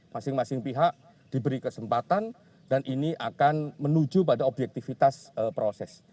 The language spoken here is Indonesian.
masing masing pihak diberi kesempatan dan ini akan menuju pada objektivitas proses